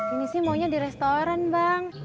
ini sih maunya di restoran bang